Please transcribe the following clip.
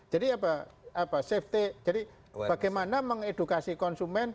jadi safety jadi bagaimana mengedukasi konsumen